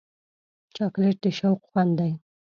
چاکلېټ د شوق خوند دی.